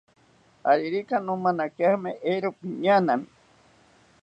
Aririka nomanakiami, eero piñaanami